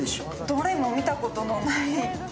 どれも見たことない。